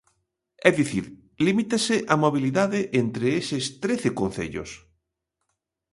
É dicir, limítase a mobilidade entre estes trece concellos.